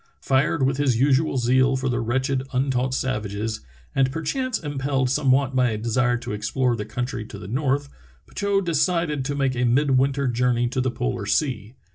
Fired with his usual zeal for the wretched, untaught savages, and perchance impelled somewhat by a desire to explore the country to the north, Petitot decided to make a midwinter journey to the polar sea.